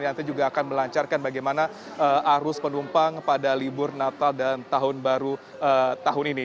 yang nanti juga akan melancarkan bagaimana arus penumpang pada libur natal dan tahun baru tahun ini